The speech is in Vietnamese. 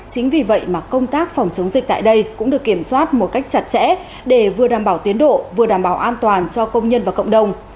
chính vì vậy mà công tác phòng chống dịch tại đây cũng được kiểm soát một cách chặt chẽ để vừa đảm bảo tiến độ vừa đảm bảo an toàn cho công nhân và cộng đồng